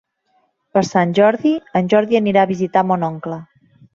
Per Sant Jordi en Jordi anirà a visitar mon oncle.